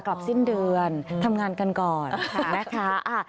กลับสิ้นเดือนทำงานกันก่อนนะคะ